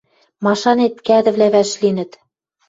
Машанет, кӓдӹвлӓ вӓшлинӹт.